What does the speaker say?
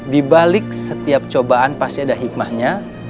dibalik setiap cobaan pasti ada hikmahnya